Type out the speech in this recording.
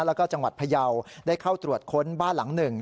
และภาเยาว์ได้เข้าตรวจค้นบ้านหลังหนึ่ง